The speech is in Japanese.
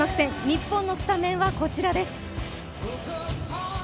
日本のスタメンはこちらです。